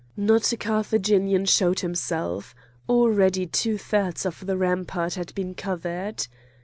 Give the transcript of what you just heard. Not a Carthaginian showed himself; already two thirds of the rampart had been covered.